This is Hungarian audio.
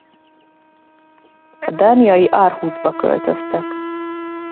A dániai Aarhusba költöztek.